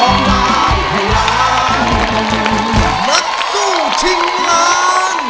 นักสู้ชิงล้าน